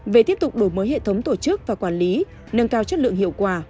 về tiếp tục đổi mới hệ thống tổ chức và quản lý nâng cao chất lượng hiệu quả